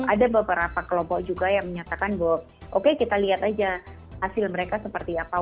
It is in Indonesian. ada beberapa kelompok juga yang menyatakan bahwa oke kita lihat aja hasil mereka seperti apa